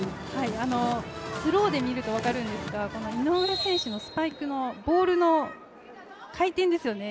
スローで見ると分かるんですが井上選手のスパイクのボールの回転ですよね